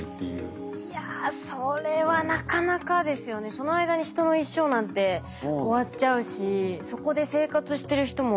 その間に人の一生なんて終わっちゃうしそこで生活してる人もいますもんね。